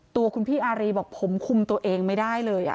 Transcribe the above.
ตัวคุณพี่อารีบอกผมคุมตัวเองไม่ได้เลย